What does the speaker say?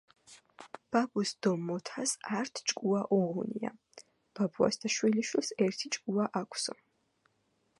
ბაბუს დო მოთას ართ ჭკუა უღუნია."ბაბუას და შვილიშვილს ერთი ჭკუა აქვსო."